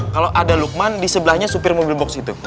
kalo ada luqman di sebelahnya supir mobil box itu